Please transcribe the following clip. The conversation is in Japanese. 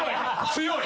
強い！